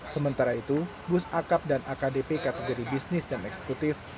sementara itu bus akap dan akdp kategori bisnis dan eksekutif